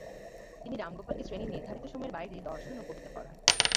তিনি রামগোপালকে শ্রেণীর নির্ধারিত সময়ের বাইরে দর্শন ও কবিতা পড়ান।